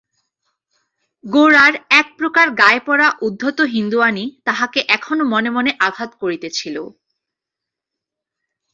গোরার একপ্রকার গায়ে-পড়া উদ্ধত হিন্দুয়ানি তাহাকে এখনো মনে মনে আঘাত করিতেছিল।